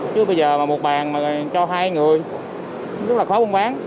chứ bây giờ mà một bàn mà cho hai người rất là khó buôn bán